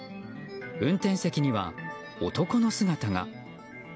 運転席には男の姿が。